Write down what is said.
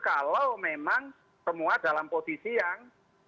kalau memang semua dalam posisi yang